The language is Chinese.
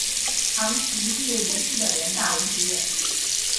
唐祈毕业于西北联大文学院。